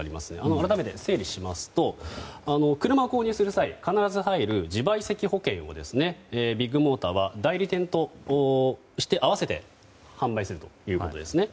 改めて整理しますと車を購入する際に必ず入る自賠責保険をビッグモーターは代理店として、併せて販売するということですね。